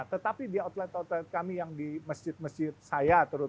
nah tetapi di outlet outlet kami yang di masjid masjid itu kita berhenti